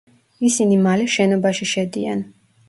ისინი მალე შენობაში შედიან.